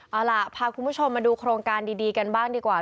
เอาล่ะพาคุณผู้ชมมาดูโครงการดีกันบ้างดีกว่า